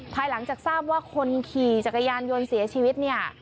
ภายหลังจากทราบว่าคนขี่จักรยานยนต์เสียชีวิตเนี่ย